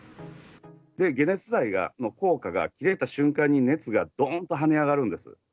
解熱剤の効果が切れた瞬間に、熱がどんと跳ね上がるんです。